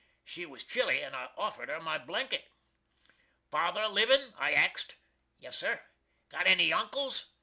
She was chilly and I offered her my blanket. "Father livin?" I axed. "Yes, sir." "Got any Uncles?"